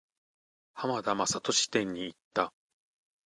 浜田雅功展に行った。